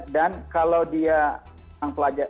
dan kalau dia yang pelajar